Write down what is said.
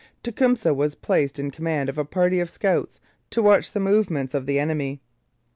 Tecumseh was placed in command of a party of scouts to watch the movements of the enemy.